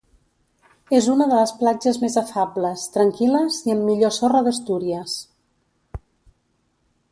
És una de les platges més afables, tranquil·les i amb millor sorra d'Astúries.